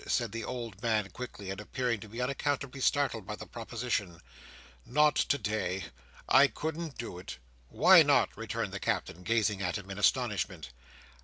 said the old man quickly, and appearing to be unaccountably startled by the proposition. "Not today. I couldn't do it!" "Why not?" returned the Captain, gazing at him in astonishment.